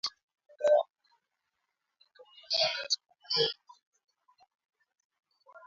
linalolaumiwa kwa mauaji ya kikabila katika jimbo la kaskazini-mashariki la Ituri